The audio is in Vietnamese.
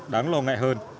đáng lo ngại hơn